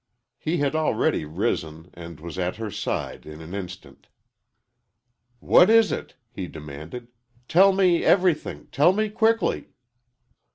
He had already risen, and was at her side in an instant. "What is it?" he demanded; "tell me everything tell me quickly!"